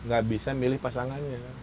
gak bisa milih pasangannya